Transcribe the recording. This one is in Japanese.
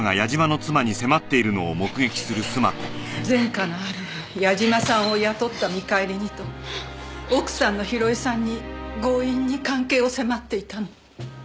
前科のある矢嶋さんを雇った見返りにと奥さんの広江さんに強引に関係を迫っていたの。